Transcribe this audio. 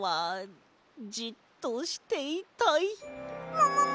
ももも？